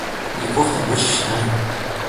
O licor tem um gosto estranho.